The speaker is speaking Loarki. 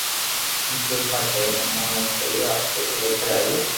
ھين ڪرپا ڪرين اموني ي سھي راستو تو چاڙو